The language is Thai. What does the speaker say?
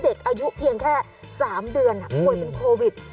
เด็กอายุเพียงแค่๓เดือนป่วยเป็นโควิด